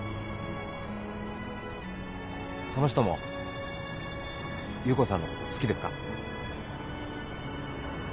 その人も優子さんのこと好きですか？